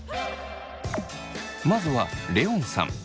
まずはレオンさん。